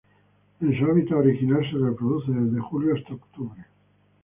En su hábitat original se reproduce desde julio hasta octubre.